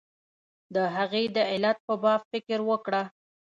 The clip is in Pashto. د هغې د علت په باب فکر وکړه.